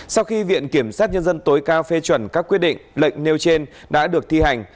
sau khi viện kiểm sát nhân dân tối cao phê chuẩn các quyết định lệnh nêu trên đã được thi hành